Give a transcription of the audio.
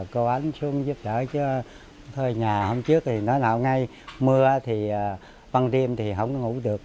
cô ánh xuống giúp đỡ chứ thôi nhà hôm trước thì nó nào ngay mưa thì văn riêng thì không ngủ được